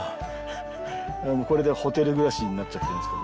これでホテル暮らしになっちゃってるんですけど。